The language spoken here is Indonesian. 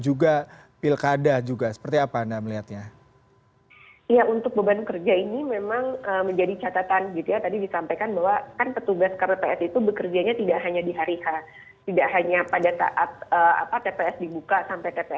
juga setelah proses